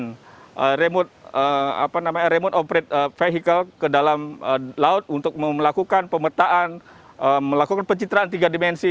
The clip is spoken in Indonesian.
melakukan remote operate vehicle ke dalam laut untuk melakukan pemetaan melakukan pencitraan tiga dimensi